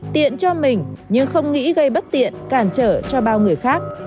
tiện cho mình nhưng không nghĩ gây bất tiện cản trở cho bao người khác